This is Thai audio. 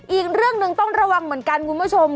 อีกเรื่องหนึ่งต้องระวังเหมือนกันคุณผู้ชม